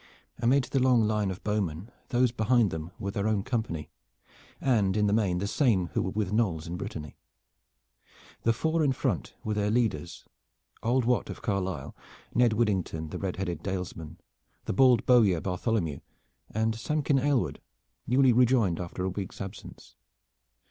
Amid the long line of bowmen those behind them were their own company, and in the main the same who were with Knolles in Brittany. The four in front were their leaders: old Wat of Carlisle, Ned Widdington the red headed Dalesman, the bald bowyer Bartholomew, and Samkin Alyward, newly rejoined after a week's absence.